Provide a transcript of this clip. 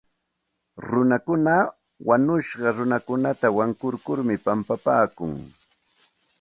Runakuna wañushqa runakunata wankurkurmi pampapaakun.